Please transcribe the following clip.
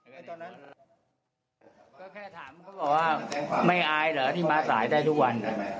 ก็แค่ถามเขาบอกว่าไม่อายเหรอที่มาสายได้ทุกวัน